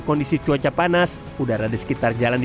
kondisinya gimana pak